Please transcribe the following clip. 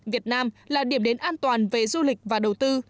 việt nam là điểm đến an toàn về du lịch và đầu tư